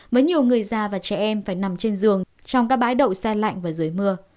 mấy nhiều người già và trẻ em phải nằm trên giường trong các bãi đậu xe lạnh và dưới mưa